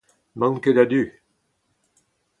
N'emaon ket a-du.